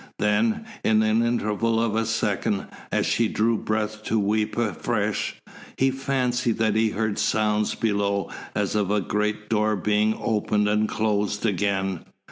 Then, in the interval of a second, as she drew breath to weep afresh, he fancied that he heard sounds below as of the great door being opened and closed again.